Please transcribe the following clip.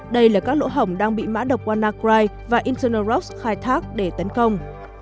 đây là các lỗ hồng đang bị mã độc wannacry và eternal rocks khai thác để tấn công